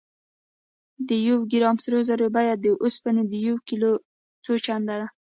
د یو ګرام سرو زرو بیه د اوسپنې د یو کیلو څو چنده ده.